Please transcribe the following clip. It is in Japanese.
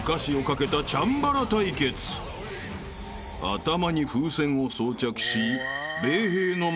［頭に風船を装着し］